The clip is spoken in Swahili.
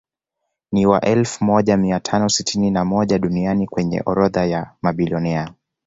Ni wa elfu moja mia tano sitini na moja duniani kwenye orodha ya mabilionea